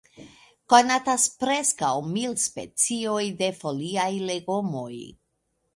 Konatas preskaŭ mil specioj de foliaj legomoj.